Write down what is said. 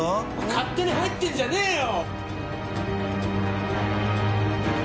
勝手に入ってんじゃねぇよ！